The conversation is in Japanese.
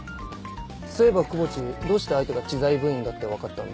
そういえば窪地どうして相手が知財部員だって分かったんだ？